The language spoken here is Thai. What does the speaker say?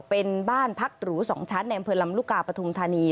เป็นบ้านพักหรู๒ชั้นในอำเภอลำลูกกาปฐุมธานี